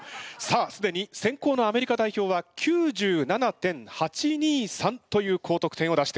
さあすでに先攻のアメリカ代表は９７．８２３という高得点を出しております。